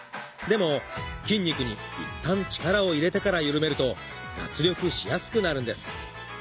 でも筋肉にいったん力を入れてからゆるめると脱力しやすくなるんです。